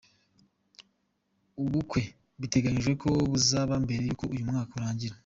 Ubukwe biteganyijwe ko buzaba mbere y’uko uyu mwaka urangira.